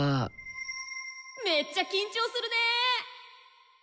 めっちゃ緊張するね。